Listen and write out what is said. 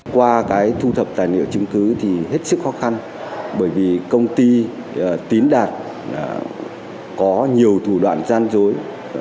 qua cái thu thập tài liệu chứng cứ thì hết sức khó khăn bởi vì công ty tín đạt có nhiều thủ đoạn gian dối